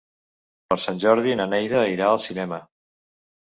Per Sant Jordi na Neida irà al cinema.